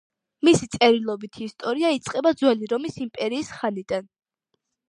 მისი წერილობითი ისტორია იწყება ძველი რომის იმპერიის ხანიდან.